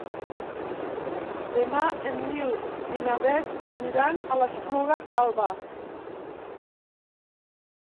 Demà en Nil i na Bet aniran a l'Espluga Calba.